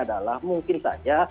adalah mungkin saja